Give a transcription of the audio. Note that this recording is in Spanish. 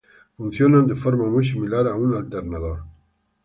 Funcionan de forma muy similar a un alternador.